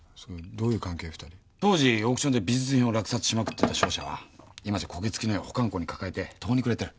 当時オークションで美術品を落札しまくってた商社は今じゃ焦げつきの絵を保管庫に抱えて途方に暮れてる。